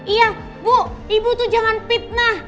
iya bu ibu tuh jangan fitnah